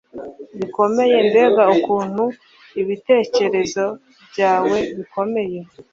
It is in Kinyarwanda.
bikomeye! mbega ukuntu ibitekerezo byawe bikomeye